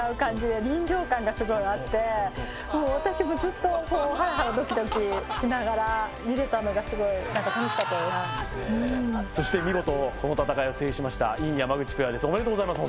もう私もずっとハラハラドキドキしながら見れたのがすごい何か楽しかったそして見事この戦いを制しました尹・山口ペアですおめでとうございます